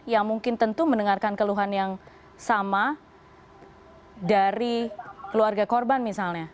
yang mungkin tentu mendengarkan keluhan yang sama dari keluarga korban misalnya